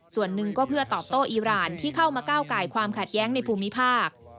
ส่วนหนึ่งก็เพื่อตอบโต้อีรานที่เข้ามาก้าวไก่ความขัดแย้งในภูมิภาค